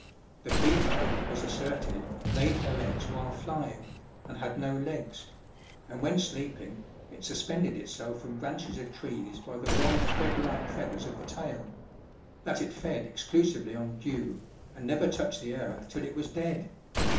The female, it was asserted, laid her eggs while flying, and had no legs ; and when sleeping, it sus pended itself from branches of trees by the long thread like feathers of the tail ; that it fed exclusively on dew, and never touched the earth till it was dead